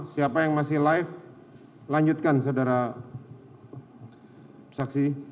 siapa yang masih live lanjutkan saudara saksi